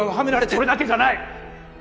それだけじゃない！